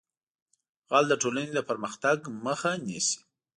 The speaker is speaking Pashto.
غل د ټولنې د پرمختګ مخه نیسي